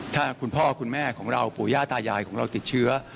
ถ้าคุณพ่อคุณแม่ของเราปู่ย่าตายายของเราติดเชื้อ